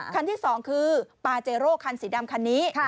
คันที่๒คือปาเจโร่คันสีดำคันนี้